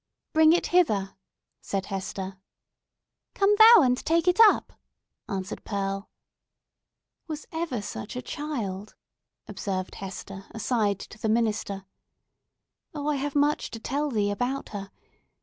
"Bring it hither!" said Hester. "Come thou and take it up!" answered Pearl. "Was ever such a child!" observed Hester aside to the minister. "Oh, I have much to tell thee about her!